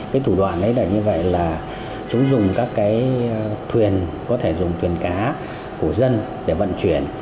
cái thủ đoạn ấy là như vậy là chúng dùng các cái thuyền có thể dùng thuyền cá của dân để vận chuyển